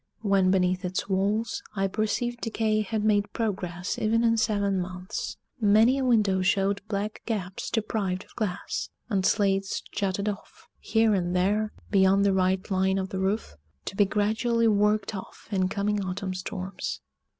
When beneath its walls, I perceived decay had made progress even in seven months many a window showed black gaps deprived of glass; and slates jutted off, here and there, beyond the right line of the roof, to be gradually worked off in coming autumn storms.